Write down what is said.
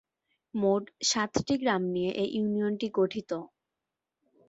মোট সাতটি গ্রাম নিয়ে এ ইউনিয়নটি গঠিত।